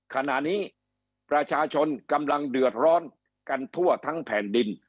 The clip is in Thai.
ขณะนี้ประชาชนกำลังเดือดร้อนกันทั่วทั้งแผ่นดิน